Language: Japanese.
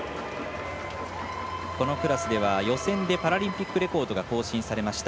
このクラスでは予選でパラリンピックレコードが更新されました。